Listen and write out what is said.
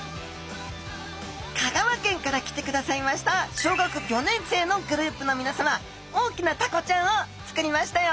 香川県から来てくださいました小学５年生のグループのみなさま大きなタコちゃんを作りましたよ。